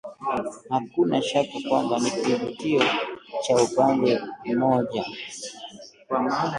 Hakuna shaka kwamba ni kivutio cha upande mmoja